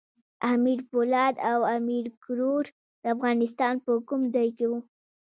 امیر پولاد او امیر کروړ د افغانستان په کوم ځای کې وو؟